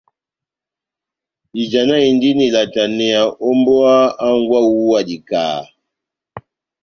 Ijanahindini ilataneya ó mbówa hángwɛ wawu wa dikaha.